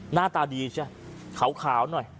หน้าตาดีใช่ขาวหน่อย